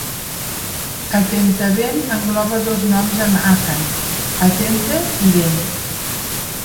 Atenteben engloba dos noms en àkan: "atente" i "ben".